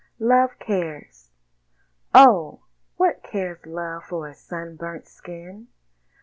"Love's Cares" Oh! what cares Love for a sunburnt skin?